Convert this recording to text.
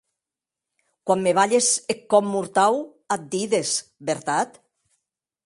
Quan me balhes eth còp mortau ac dides, vertat?